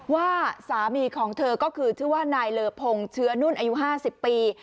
ว่าสามีของเธอก็คือชื่อว่านายเลอพงเชื้อนุ่นอายุ๕๐ปี